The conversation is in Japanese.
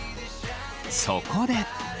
そこで。